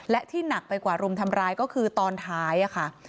และที่หนักไปกว่ารุมทำร้ายก็คือตอนท้ายค่ะ